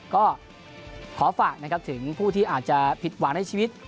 ก็ขอฝากนะครับถึงผู้ที่อาจจะผิดหวังในชีวิต